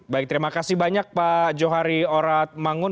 baik terima kasih banyak pak johari orat mangun